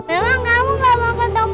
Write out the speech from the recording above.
ibu mau kembali sama kakak